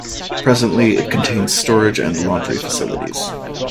Presently, it contains storage and laundry facilities.